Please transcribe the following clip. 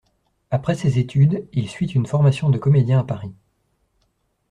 Après ses études, il suit une formation de comédien à Paris.